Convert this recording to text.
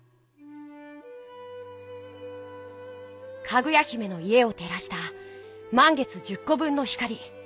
かぐや姫の家をてらしたまん月１０こ分の光。